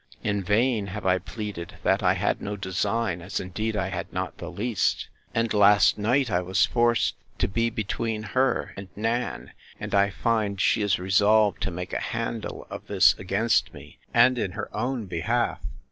In vain have I pleaded, that I had no design, as indeed I had not the least; and last night I was forced to be between her and Nan; and I find she is resolved to make a handle of this against me, and in her own behalf.